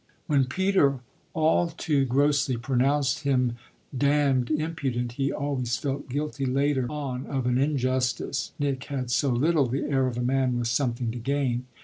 When Peter all too grossly pronounced him "damned" impudent he always felt guilty later on of an injustice Nash had so little the air of a man with something to gain.